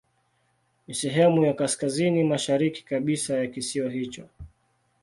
Ni sehemu ya kaskazini mashariki kabisa ya kisiwa hicho.